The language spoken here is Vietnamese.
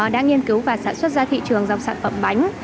đã nghiên cứu và sản xuất ra thị trường dòng sản phẩm bánh